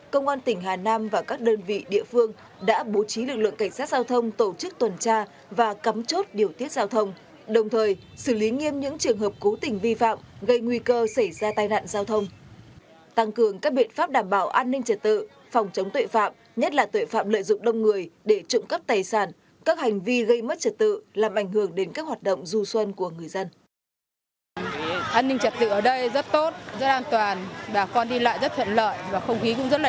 công an hà nam nên trong dịp lễ hội đầu xuân tình hình an ninh trật tự trật tự an toàn giao thông trên địa bàn tỉnh